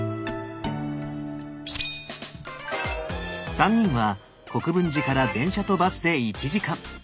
３人は国分寺から電車とバスで１時間。